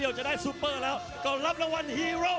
ประโยชน์ทอตอร์จานแสนชัยกับยานิลลาลีนี่ครับ